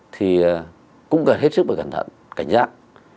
thì cũng cần hết sức phải cẩn thận cảnh giác